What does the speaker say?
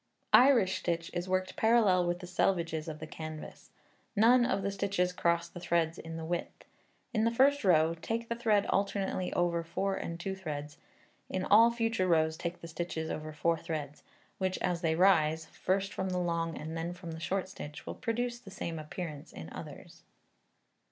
Irish stitch is worked parallel with the selvedges of the canvas. None of the stitches cross the threads in the width. In the first row, take the thread alternately over four and two threads; in all future rows take the stitches over four threads, which, as they rise first from the long and then from the short stitch, will produce the same appearance in others.